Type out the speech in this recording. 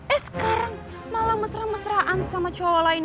eh sekarang malah mesra mesraan sama cowok lain